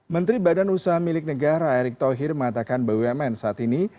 menteri badan usaha milik negara erick thohir mengatakan bumn saat ini